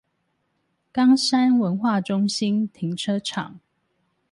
岡山文化中心停車場